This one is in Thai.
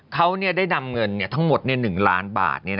เขาได้นำเงินทั้งหมด๑ล้านบาท